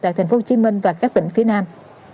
của tp hcm và các tỉnh phía nam